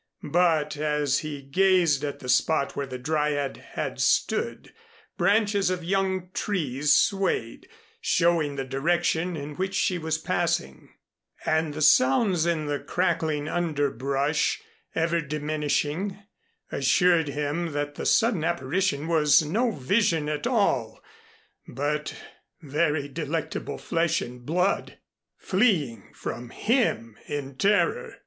But as he gazed at the spot where the Dryad had stood, branches of young trees swayed, showing the direction in which she was passing and the sounds in the crackling underbrush, ever diminishing, assured him that the sudden apparition was no vision at all, but very delectable flesh and blood, fleeing from him in terror.